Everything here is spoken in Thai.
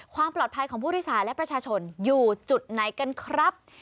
ความปลอดภัยของผู้โดยสารและประชาชนอยู่จุดไหนกันครับ